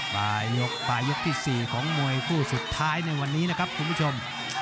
ปลายยกปลายยกที่๔ของมวยคู่สุดท้ายในวันนี้นะครับคุณผู้ชม